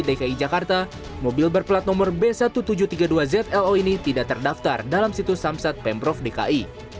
dki jakarta mobil berplat nomor b seribu tujuh ratus tiga puluh dua zlo ini tidak terdaftar dalam situs samsat pemprov dki